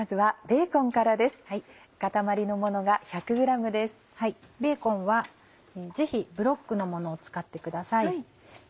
ベーコンはぜひブロックのものを使ってください。